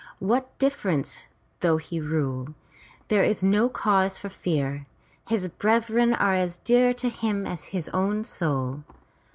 What difference though he rule? There is no cause to fear. His brethren are as dear to him as his own soul.''